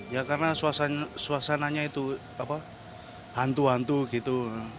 ya karena suasananya itu hantu hantu gitu